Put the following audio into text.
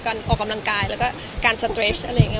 ออกกำลังกายแล้วก็การสเตรฟอะไรอย่างนี้